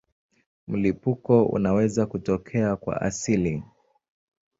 Mlipuko unaweza kutokea kwa asili.